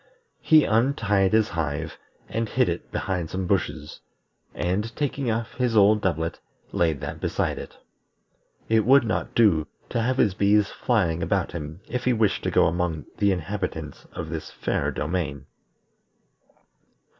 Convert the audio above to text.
He untied his hive, and hid it behind some bushes, and taking off his old doublet, laid that beside it. It would not do to have his bees flying about him if he wished to go among the inhabitants of this fair domain.